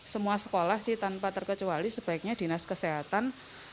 semua sekolah sih tanpa terkecuali sebaiknya dinas kesehatan